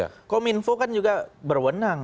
yang pertama kita harus menjaga kebenaran